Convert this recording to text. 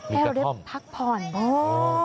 แค่เราได้พักผ่อนบ้าง